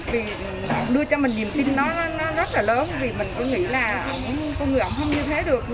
vì đưa cho mình niềm tin nó rất là lớn vì mình cứ nghĩ là con người ẩm không như thế được